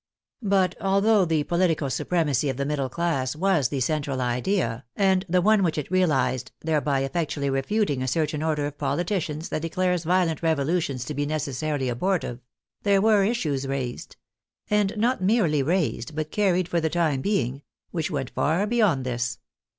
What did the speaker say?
But, although the political supremacy of the middle class was the central idea, and the one which it realized (thereby effectually refuting a certain order of politicians that declares vio lent revolutions to be necessarily abortive), there were issues raised — and not merely raised, but carried for the 2 THE FRENCH REVOLUTION time being — which went far beyond this.